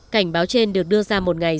cảnh báo trên được đưa ra một ngày